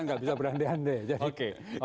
nggak bisa berande ande jadi kita